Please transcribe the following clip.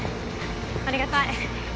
ありがたい。